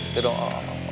itu dong om